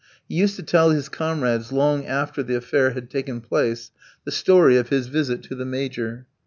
He used to tell his comrades long after the affair had taken place the story of his visit to the Major.